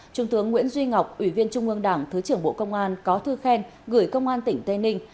trung tướng nguyễn duy ngọc ủy viên trung ương đảng thứ trưởng bộ công an có thư khen gửi công an tỉnh tây ninh